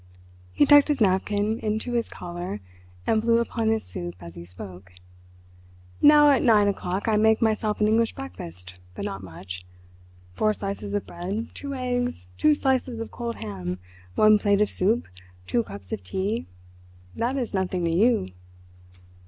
He tucked his napkin into his collar and blew upon his soup as he spoke. "Now at nine o'clock I make myself an English breakfast, but not much. Four slices of bread, two eggs, two slices of cold ham, one plate of soup, two cups of tea—that is nothing to you."